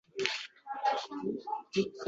Yonib-yitmay armon otash oʼchogʼida